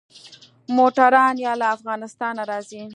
موټران يا له افغانستانه راځي.